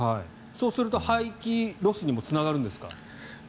そうすると廃棄ロスにもつながるんですか？